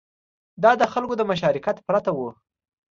دا د خلکو له مشارکت پرته و